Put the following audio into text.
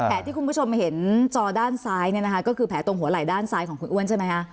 ที่คุณผู้ชมเห็นจอด้านซ้ายเนี่ยนะคะก็คือแผลตรงหัวไหล่ด้านซ้ายของคุณอ้วนใช่ไหมคะ